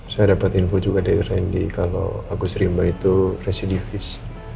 saya dapat info juga dari randy kalau agus rimba itu residivis